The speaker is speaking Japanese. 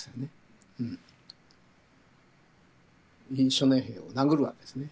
初年兵を殴るわけですね。